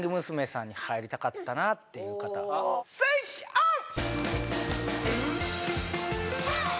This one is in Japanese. さんに入りたかったなっていう方スイッチオン！